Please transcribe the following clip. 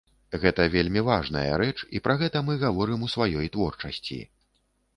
Гэта вельмі важная рэч, і пра гэта мы гаворым у сваёй творчасці.